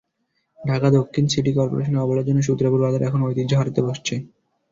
ঢাকা দক্ষিণ সিটি করপোরেশনের অবহেলার জন্য সূত্রাপুর বাজার এখন ঐতিহ্য হারাতে বসেছে।